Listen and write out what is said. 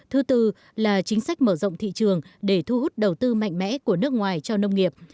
thứ tư là chính sách mở rộng thị trường để thu hút đầu tư mạnh mẽ của nước ngoài cho nông nghiệp